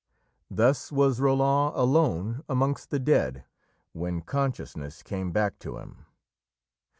Thus was Roland alone amongst the dead when consciousness came back to him.